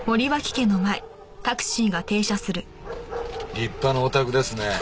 立派なお宅ですね。